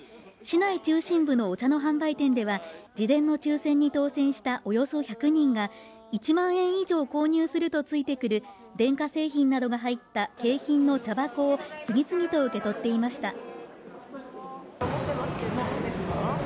市内中心部のお茶の販売店では、事前の抽選に当選したおよそ１００人が１万円以上購入するとついてくる電化製品などが入った景品の茶箱を次々と受け取っていました。